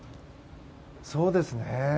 そうですね。